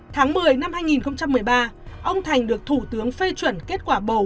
tháng một mươi năm hai nghìn một mươi ba ông thành được thủ tướng phê chuẩn kết quả bầu